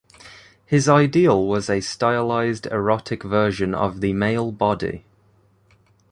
His ideal was a stylized erotic version of the male body.